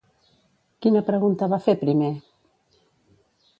Quina pregunta va fer primer?